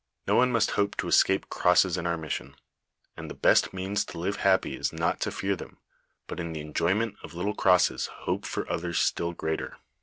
" No one must hope to escape crosses in our missions, and the best means to live happy is not to fear them, but in the enjoyment of little crosses, hope for others still greater.